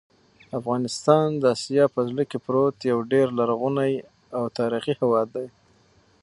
افغانستان د اسیا په زړه کې پروت یو ډېر لرغونی او تاریخي هېواد دی.